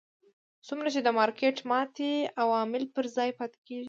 څومره چې د مارکېټ ماتې عوامل پر ځای پاتې کېږي.